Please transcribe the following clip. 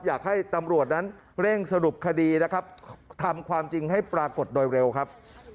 อยากให้ตำรวจนั้นเร่งสรุปคดีนะครับทำความจริงให้ปรากฏโดยเร็วครับ